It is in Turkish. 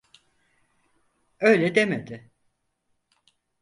Öyle demedi.